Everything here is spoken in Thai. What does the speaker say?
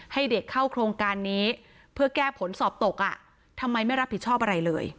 ให้เด็กเข้าโครงการนี้เพื่อแก้ผลสอบตกอ่ะทำไมไม่รับผิดชอบอะไรเลย